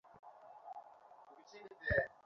ওটাকে jean jacket নামে ডাকবো।